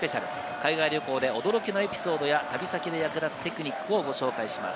海外旅行での驚きのエピソードや旅先で役立つテクニックをご紹介します。